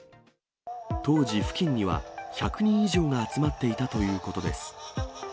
当時、付近には１００人以上が集まっていたということです。